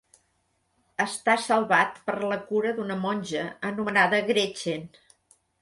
Està salvat per la cura d'una monja anomenada Gretchen.